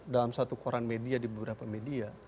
dalam satu koran media di beberapa media